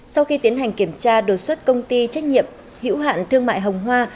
sau khi tiến hành kiểm tra đột xuất công ty trách nhiệm hữu hạn thương mại hồng hoa